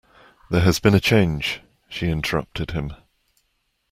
There has been a change, she interrupted him.